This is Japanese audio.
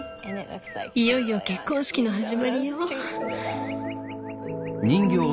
いよいよ結婚式の始まりよ！